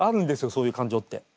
そういう感情って。